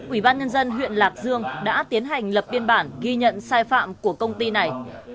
ubnd huyện lạc dương đã tiến hành lập biên bản ghi nhận sai phạm của công ty này